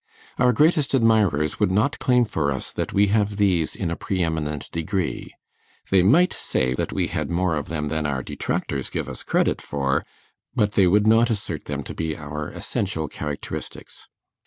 Our greatest admirers would not claim for us that we have these in a pre eminent degree; they might say that we had more of them than our detractors gave us credit for, but they would not assert them to be our essential characteristics.